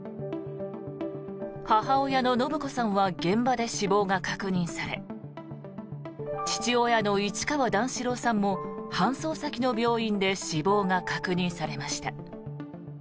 母親の延子さんは現場で死亡が確認され父親の市川段四郎さんも搬送先の病院で死亡が確認されました。